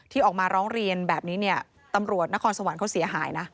ออกมาร้องเรียนแบบนี้เนี่ยตำรวจนครสวรรค์เขาเสียหายนะ